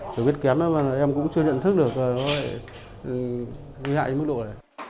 hiểu biết kém em cũng chưa nhận thức được nguy hại đến mức độ này